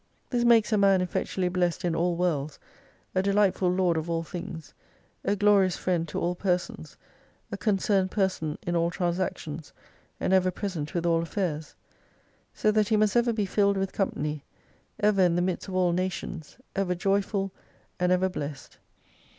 This makes a man effectually blessed in all worlds, a delightful Lord of all things, a glorious friend to all persons, a concerned person in all transactions, and ever present with all affairs. So that he must ever be filled with company, ever in the midst of all nations, ever joyful, and ever blessed.